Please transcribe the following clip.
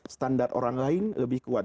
standar orang lain lebih kuat